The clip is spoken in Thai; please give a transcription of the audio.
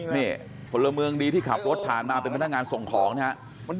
นี่พลเมืองดีที่ขับรถผ่านมาเป็นพนักงานส่งของนะครับ